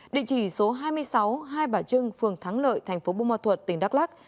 định chỉ số hai mươi sáu hai bà trưng phường thắng lợi tp bù mò thuật tỉnh đắk lắc